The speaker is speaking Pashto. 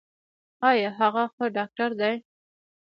ایا هغه ښه ډاکټر دی؟